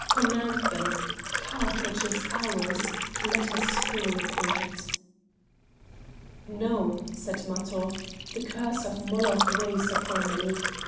Command them! Carthage is ours; let us fall upon it!" "No!" said Matho, "the curse of Moloch weighs upon me.